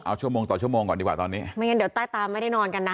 เอาชั่วโมงต่อชั่วโมงก่อนดีกว่าตอนนี้ไม่งั้นเดี๋ยวใต้ตาไม่ได้นอนกันนะ